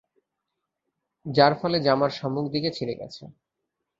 যার ফলে জামার সম্মুখ দিকে ছিড়ে গেছে।